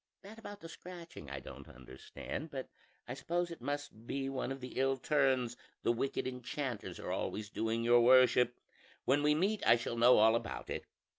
"That about the scratching I don't understand; but I suppose it must be one of the ill turns the wicked enchanters are always doing your worship; when we meet I shall know all about it.